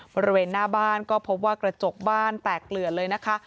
บริเวณหน้าบ้านก็พบว่ากระจกบ้านแตกเกลือดเลยนะคะ